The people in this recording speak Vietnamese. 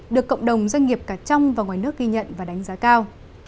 được cộng đồng doanh nghiệp cả trong và ngoài nước ghi nhận và đánh giá cao